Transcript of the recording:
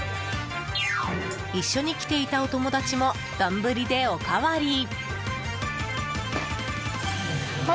一緒に来ていたお友達も丼でおかわり。